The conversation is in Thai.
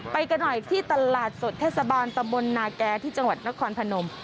ไปกันหน่อยที่ตลาดสดเทศบาลตำบลนาแก่ที่จังหวัดนครพนม